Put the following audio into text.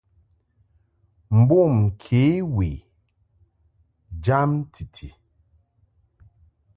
Mbom kě we jam titi.